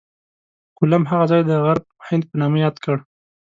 کولمب هغه ځای د غرب هند په نامه یاد کړ.